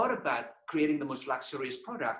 bukan tentang membuat produk yang paling luksur